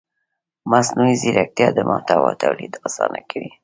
مصنوعي ځیرکتیا د محتوا تولید اسانه کوي.